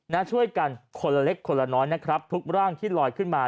นะช่วยกันคนละเล็กคนละน้อยนะครับทุกร่างที่ลอยขึ้นมา